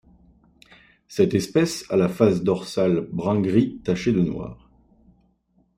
Cette espèce a la face dorsale brun gris taché de noir.